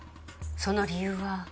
その理由は。